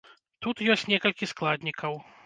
Тут ёсць некалькі складнікаў.